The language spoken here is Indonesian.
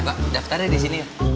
mbak daftarnya di sini